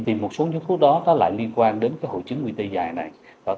thì một số nhóm thuốc đó lại liên quan đến hộ trứng quy tê dài này